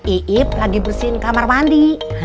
iip lagi bersihin kamar mandi